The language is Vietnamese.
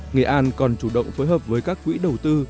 nghệ an còn chủ động phối hợp với các quỹ đầu tư